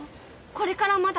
これからまだ。